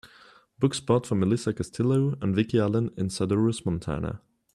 book spot for melisa castillo and vicky allen in Sadorus Montana